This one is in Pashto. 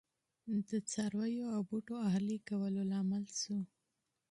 د څارویو او بوټو اهلي کولو لامل شو